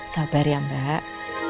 sabar ya mbak